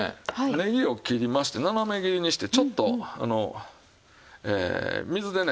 ねぎを切りまして斜め切りにしてちょっとあの水でね